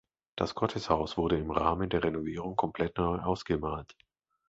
Das Gotteshaus wurde im Rahmen der Renovierung komplett neu ausgemalt.